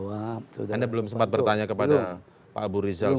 anda belum sempat bertanya kepada pak abu rizal